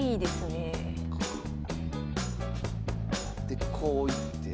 でこう行って。